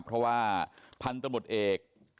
เพราะว่าพันธุมค์ตำรุดเอก